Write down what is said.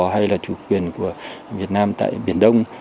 hay là chủ quyền của việt nam tại biển đông